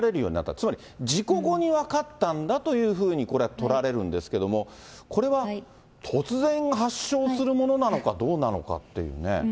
つまり事故後に分かったんだというふうに、これは取られるんですけれども、これは突然発症するものなのかどうなのかっていうね。